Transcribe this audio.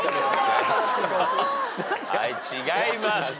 はい違います。